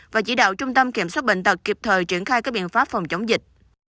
và chỉ đạo trung tâm kiểm soát bệnh tật kịp thời triển khai các biện pháp phòng chống dịch